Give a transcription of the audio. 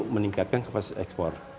meningkatkan kapasitas ekspor